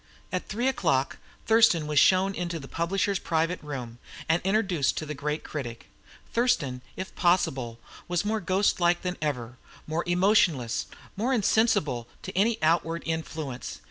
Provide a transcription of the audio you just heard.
At three o'clock Thurston was shown into the publisher's private room, and introduced to the great critic. Thurston, if possible, was more ghostlike than ever; more emotionless; more insensible to any outward influence.